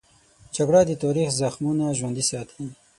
جګړه د تاریخ زخمونه ژوندي ساتي